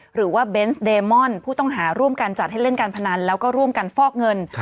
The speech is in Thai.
หรือว่าเบนส์เดมอนผู้ต้องหาร่วมกันจัดให้เล่นการพนันแล้วก็ร่วมกันฟอกเงิน